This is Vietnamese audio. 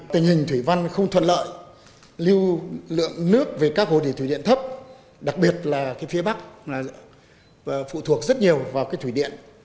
tình hình thủy văn không thuận lợi lưu lượng nước về các hồ đề thủy điện thấp đặc biệt là phía bắc phụ thuộc rất nhiều vào thủy điện